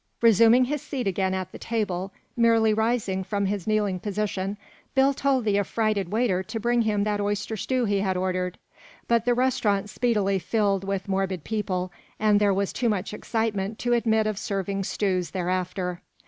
Resuming his seat again at the table, merely rising from his kneeling position, Bill told the affrighted waiter to bring him that oyster stew he had ordered, but the restaurant speedily filled with morbid people, and there was too much excitement to admit of serving stews thereafter.